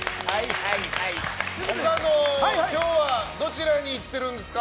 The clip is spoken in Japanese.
岡野、今日はどちらに行ってるんですか？